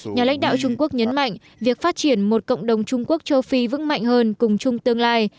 nhà lãnh đạo trung quốc nhấn mạnh việc phát triển một cộng đồng trung quốc châu phi vững mạnh hơn cùng chung tương lai